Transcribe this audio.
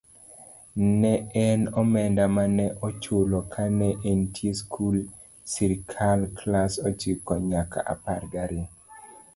Ne en omenda mane ochulo kane entie skul ckare klass ochiko nyaka apar gariyo.